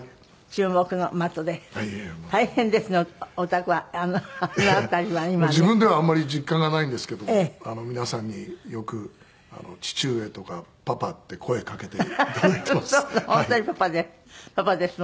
自分ではあまり実感がないんですけど皆さんによく「父上」とか「パパ」って声をかけて頂いています。